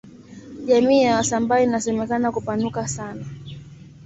jamii ya wasambaa inasemekana kupanuka sana